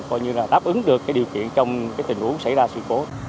coi như là đáp ứng được điều kiện trong tình huống xảy ra sự cố